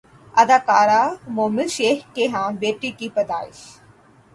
اداکارہ مومل شیخ کے ہاں بیٹی کی پیدائش